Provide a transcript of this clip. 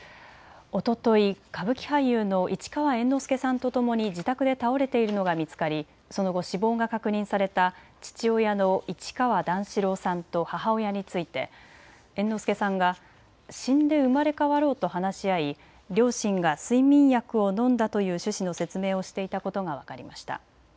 おととい歌舞伎俳優の市川猿之助さんとともに自宅で倒れているのが見つかりその後、死亡が確認された父親の市川段四郎さんと母親について猿之助さんが死んで生まれ変わろうと話し合い両親が睡眠薬を飲んだという趣旨の説明をしていたことが分かりました。